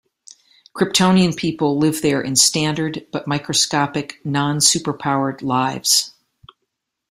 Kryptonian people live there in standard but microscopic, non-superpowered lives.